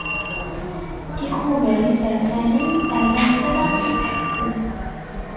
Ikubar isertanen rran-tt ala i usḥissef.